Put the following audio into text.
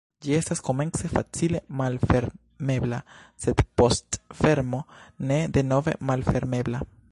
Ĝi estas komence facile malfermebla, sed post fermo ne denove malfermebla.